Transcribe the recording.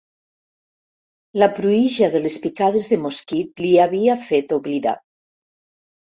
La pruïja de les picades de mosquit l'hi havia fet oblidar.